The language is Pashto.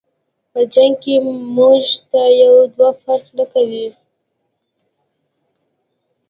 په جنګ کی مونږ ته یو دوه فرق نکوي.